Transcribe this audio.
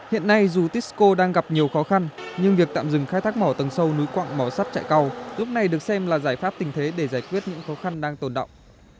hiện nay dù tisco đang gặp nhiều khó khăn nhưng việc tạm dừng khai thác mỏ tầng sâu núi quặng mỏ sắt chạy cầu lúc này được xem là giải pháp tình thế để giải quyết những khó khăn đang tồn động